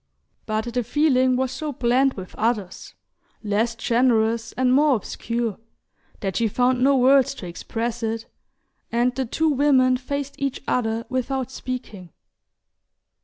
But the feeling was so blent with others, less generous and more obscure, that she found no words to express it, and the two women faced each other without speaking.